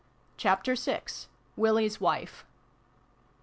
CHAPTER VI. WILLIE'S WIFE.